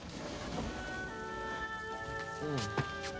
うん？